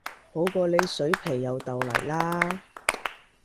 好過你水皮又豆泥啦